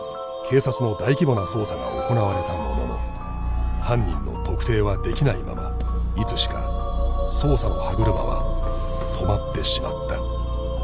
警察の大規模な捜査が行われたものの犯人の特定はできないままいつしか捜査の歯車は止まってしまった